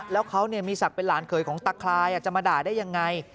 แล้วเขามีศักดิ์เป็นหลานเขยของตะคลายจะมาด่าได้ยังไง